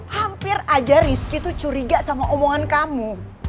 hampir aja rizky tuh curiga sama omongan kamu